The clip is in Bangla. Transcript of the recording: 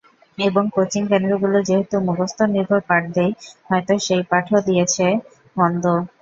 এবং কোচিং কেন্দ্রগুলো যেহেতু মুখস্থনির্ভর পাঠ দেয়, হয়তো সেই পাঠও দিয়েছে মন্দ।